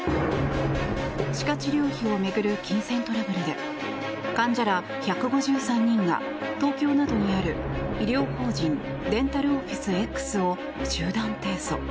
歯科治療費を巡る金銭トラブルで患者ら１５３人が東京などにある医療法人デンタルオフィスＸを集団提訴。